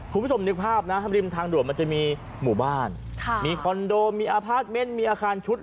คุณผู้ชมนึกภาพนะริมทางด่วนมันจะมีหมู่บ้านมีคอนโดมีอพาร์ทเมนต์มีอาคารชุด